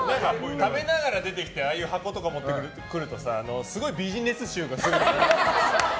食べながら出てきてああいう箱とか持ってくるとさすごいビジネス臭がするよね。